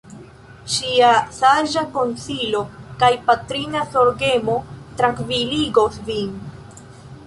Ŝia saĝa konsilo kaj patrina zorgemo trankviligos vin.